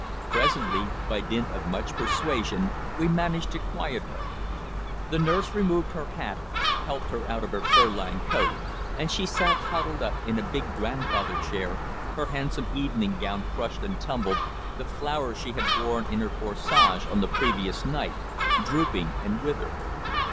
Presently, by dint of much persuasion, we managed to quiet her. The nurse removed her hat, helped her out of her fur lined coat, and she sat huddled up in a big "grandfather" chair, her handsome evening gown crushed and tumbled, the flowers she had worn in her corsage on the previous night drooping and withered.